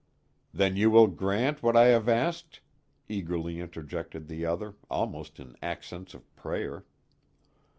"Then you will grant what I have asked?" eagerly interjected the other, almost in accents of prayer.